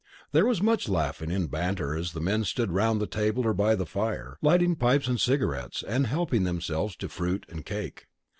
There was much laughing and banter as the men stood round the table or by the fire, lighting pipes and cigarettes, and helping themselves to fruit and cake.